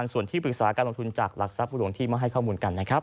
ส่วนที่ปรึกษาการลงทุนจากหลักทรัพย์หลวงที่มาให้ข้อมูลกันนะครับ